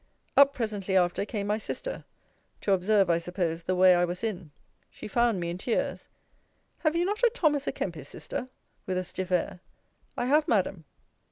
Up presently after came my sister: to observe, I suppose, the way I was in. She found me in tears. Have you not a Thomas a Kempis, Sister? with a stiff air. I have, Madam.